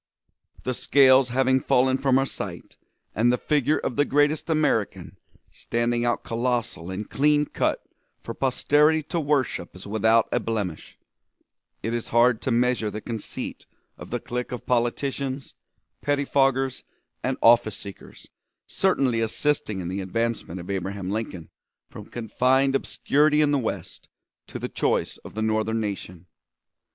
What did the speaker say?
The scales having fallen from our sight and the figure of the greatest American standing out colossal and clean cut for posterity to worship as without a blemish, it is hard to measure the conceit of the clique of politicians, pettifoggers, and office seekers certainly assisting in the advancement of Abraham Lincoln from confined obscurity in the West to the choice of the Northern nation.